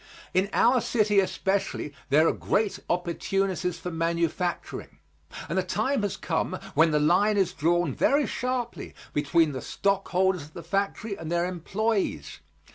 In our city especially there are great opportunities for manufacturing, and the time has come when the line is drawn very sharply between the stockholders of the factory and their employés.